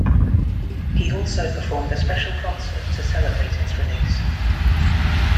He also performed a special concert to celebrate its release.